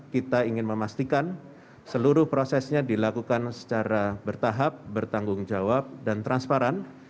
kita ingin memastikan seluruh prosesnya dilakukan secara bertahap bertanggung jawab dan transparan